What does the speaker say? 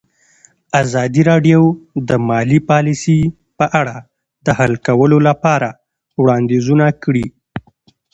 ازادي راډیو د مالي پالیسي په اړه د حل کولو لپاره وړاندیزونه کړي.